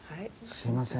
すいません。